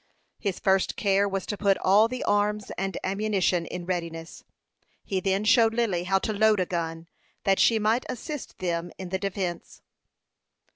His first care was to put all the arms and ammunition in readiness. He then showed Lily how to load a gun, that she might assist them in the defence.